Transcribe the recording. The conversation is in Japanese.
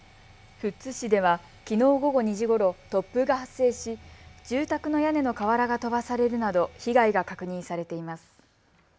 富津市ではきのう午後２時ごろ突風が発生し住宅の屋根の瓦が飛ばされるなど被害が確認されています。